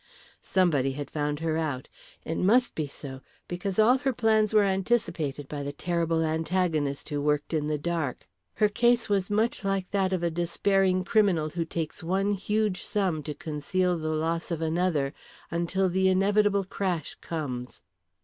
Somebody had found her out. It must be so, because all her plans were anticipated by the terrible antagonist who worked in the dark. Her case was much like that of a despairing criminal who takes one huge sum to conceal the loss of another until the inevitable crash comes.